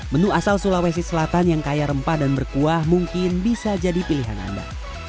menu asal sulawesi selatan yang kaya rempah dan berkuah mungkin bisa jadi pilihan anda